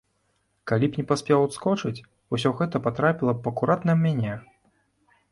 Калі б не паспеў адскочыць, усё гэта патрапіла б акурат на мяне!